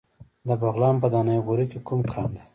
د بغلان په دهنه غوري کې کوم کان دی؟